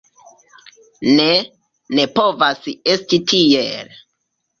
Ne, ne povas esti tiel.